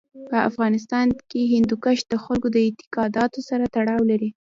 په افغانستان کې هندوکش د خلکو د اعتقاداتو سره تړاو لري.